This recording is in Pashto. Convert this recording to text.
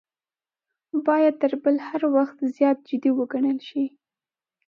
باید تر بل هر وخت زیات جدي وګڼل شي.